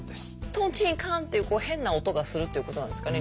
「とんちんかん」ていう変な音がするっていうことなんですかね